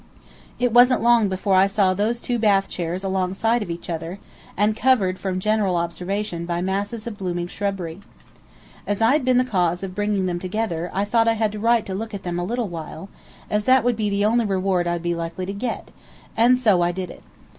It wasn't long before I saw those two bath chairs alongside of each other, and covered from general observation by masses of blooming shrubbery. As I had been the cause of bringing them together I thought I had a right to look at them a little while, as that would be the only reward I'd be likely to get, and so I did it.